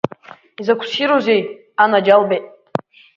Изакә ссирузеи, анаџьалбеит!